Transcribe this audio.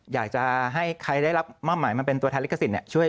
อยากจะให้ใครได้รับมอบหมายมาเป็นตัวแทนลิขสิทธิ์ช่วย